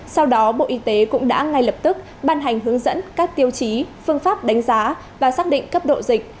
sau đó bộ y tế cũng đã ngay lập tức ban hành hướng dẫn các tiêu chí phương pháp đánh giá và xác định cấp độ dịch